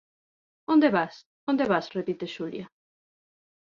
Onde vas, onde vas? –repite Xulia.